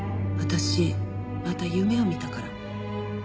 私また夢を見たから。